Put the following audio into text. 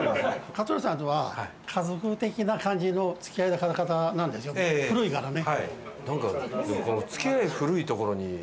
克典さんとは家族的な感じの付き合い方なんですよ古いからね。